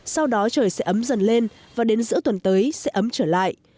sau đó trời sẽ ấm dần lên và đến giữa tuần tới sẽ ấm trở lại